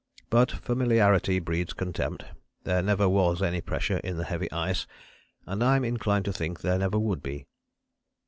But familiarity breeds contempt; there never was any pressure in the heavy ice, and I'm inclined to think there never would be.